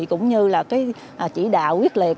cũng như chỉ đạo quyết liệt